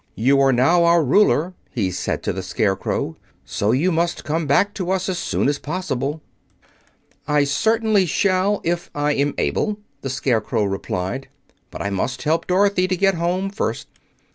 "You are now our ruler," he said to the Scarecrow; "so you must come back to us as soon as possible." "I certainly shall if I am able," the Scarecrow replied; "but I must help Dorothy to get home, first."